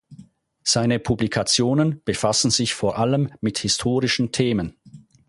Seine Publikationen befassen sich vor allem mit historischen Themen.